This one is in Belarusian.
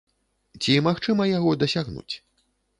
Ці магчыма яго дасягнуць?